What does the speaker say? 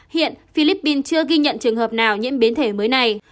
hiện philippines chưa ghi nhận trường hợp nào nhiễm biến thể mới này